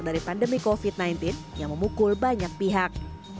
dari pandemi covid sembilan belas yang memukul banyak pihak